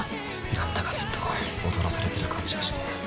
何だかちょっと踊らされてる感じがして。